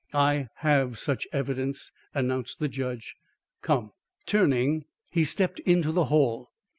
"I have such evidence," announced the judge. "Come." Turning, he stepped into the hall.